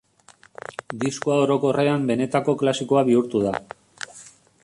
Diskoa orokorrean benetako klasikoa bihurtu da.